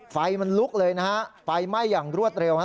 ไฟมันลุกเลยนะฮะไฟไหม้อย่างรวดเร็วฮะ